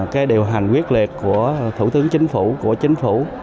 cái điều hành quyết liệt của thủ tướng chính phủ của chính phủ